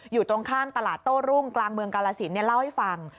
อยู่ตรงข้ามตลาดโต้รุ่งกลางเมืองกาลสินเล่าให้ฟัง